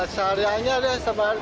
kesahariannya gimana sekarang